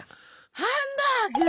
ハンバーグぅ！